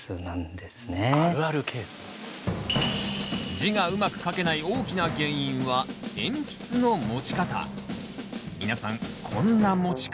字がうまく書けない大きな原因は鉛筆の持ち方。